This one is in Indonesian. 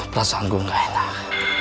perasaan gue gak enak